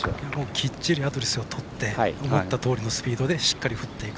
きっちりアドレスを取って思ったようなスピードでしっかり振っていく。